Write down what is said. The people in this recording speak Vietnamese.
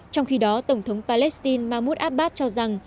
trong khi đó tổng thống palestine mahmoud abbas cho rằng